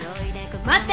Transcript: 待って！